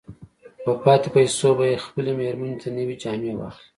په پاتې پيسو به يې خپلې مېرمې ته نوې جامې واخلي.